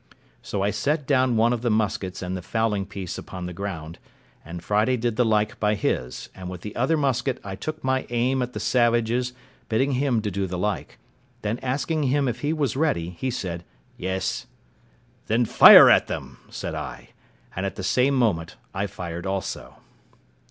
So I set down one of the muskets and the fowling piece upon the ground, and Friday did the like by his, and with the other musket I took my aim at the savages, bidding him to do the like; then asking him if he was ready, he said, "Yes." "Then fire at them," said I; and at the same moment I fired also.